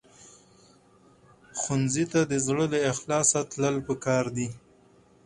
ښوونځی ته د زړه له اخلاصه تلل پکار دي